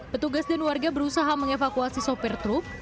petugas dan warga berusaha mengevakuasi sopir truk